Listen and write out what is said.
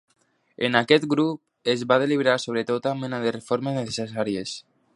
En aquest grup es va deliberar sobre tota mena de reformes necessàries.